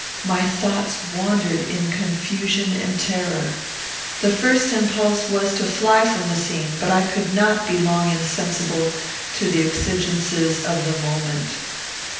My thoughts wandered in confusion and terror. The first impulse was to fly from the scene; but I could not be long insensible to the exigences of the moment.